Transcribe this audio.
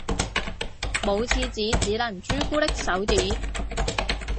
冇廁紙只能朱古力手指